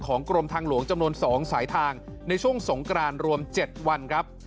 กรมทางหลวงจำนวน๒สายทางในช่วงสงกรานรวม๗วันครับ